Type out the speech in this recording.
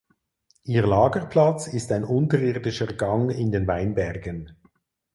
Ihr Lagerplatz ist ein unterirdischer Gang in den Weinbergen.